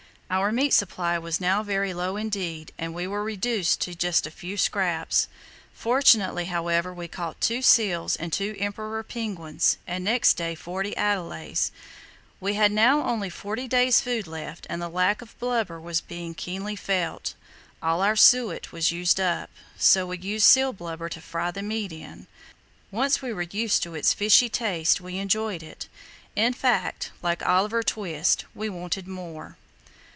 Our meat supply was now very low indeed; we were reduced to just a few scraps. Fortunately, however, we caught two seals and four emperor penguins, and next day forty adelies. We had now only forty days' food left, and the lack of blubber was being keenly felt. All our suet was used up, so we used seal blubber to fry the meat in. Once we were used to its fishy taste we enjoyed it; in fact, like Oliver Twist, we wanted more.